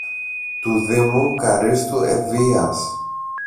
του Δήμου Καρύστου Ευβοίας